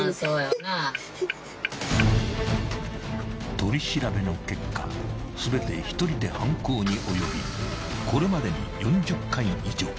［取り調べの結果全て１人で犯行に及びこれまでに］